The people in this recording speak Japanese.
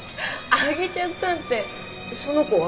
あげちゃったってその子は？